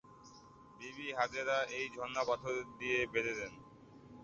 বিবি হাজেরা এই ঝর্ণা পাথর দিয়ে বেধে দেন।